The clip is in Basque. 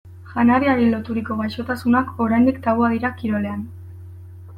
Janariari loturiko gaixotasunak oraindik tabua dira kirolean.